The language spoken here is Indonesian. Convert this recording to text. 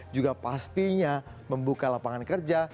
juga pastinya membuka lapangan kerja